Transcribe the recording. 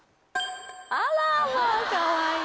あらまぁかわいい。